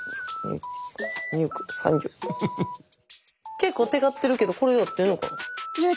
結構テカってるけどこれで合ってんのかな？